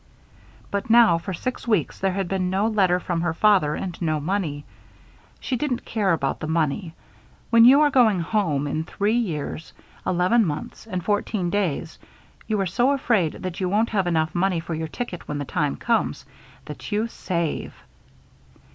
But now, for six weeks, there had been no letter from her father and no money. She didn't care about the money. When you are going home in three years, eleven months, and fourteen days, you are so afraid that you won't have enough money for your ticket when the time comes that you save!